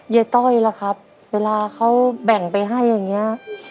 ต้อยล่ะครับเวลาเขาแบ่งไปให้อย่างนี้